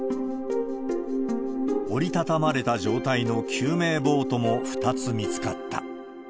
折り畳まれた状態の救命ボートも２つ見つかった。